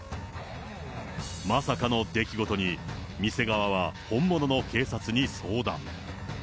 まさかの出来事に、店側は本物の警察に相談。